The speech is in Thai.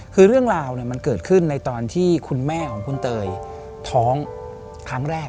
คือเรื่องราวมันเกิดขึ้นในตอนที่คุณแม่ของคุณเตยท้องครั้งแรก